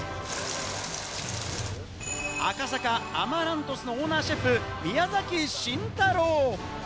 赤坂・アマラントスのオーナーシェフ、宮崎慎太郎。